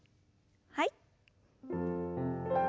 はい。